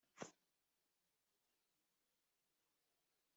Yakiriye gusomana bibiri binini byishimo